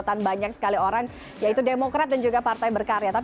tapi itu bukan realitas